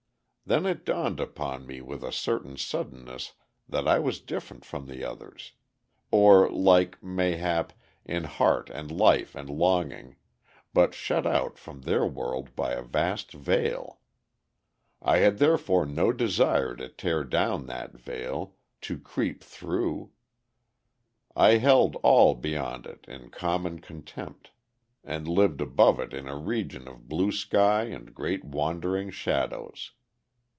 Then it dawned upon me with a certain suddenness that I was different from the others; or like, mayhap, in heart and life and longing, but shut out from their world by a vast veil. I had thereafter no desire to tear down that veil, to creep through; I held all beyond it in common contempt, and lived above it in a region of blue sky and great wandering shadows.